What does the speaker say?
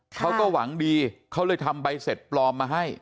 เขาก็หวังดีเขาเลยทำใบเสร็จปลอมมาให้